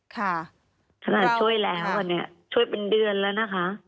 ขนาดช่วยแล้วอันนี้ช่วยเป็นเดือนแล้วนะคะ